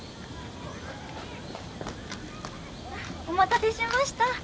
お待たせしました。